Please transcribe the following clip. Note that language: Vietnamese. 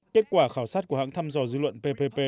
kết quả khảo sát của hãng thăm dò dư luận ppp